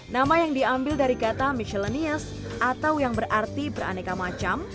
nama yang diambil dari kata michellenias atau yang berarti beraneka macam